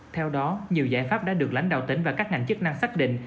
theo đó nhiều giải pháp đã được lãnh đạo tỉnh và các ngành chức năng xác định